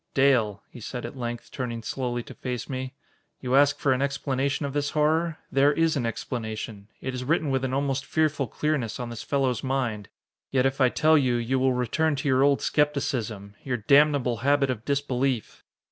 "Dale," he said at length, turning slowly to face me, "you ask for an explanation of this horror? There is an explanation. It is written with an almost fearful clearness on this fellow's mind. Yet if I tell you, you will return to your old skepticism your damnable habit of disbelief!"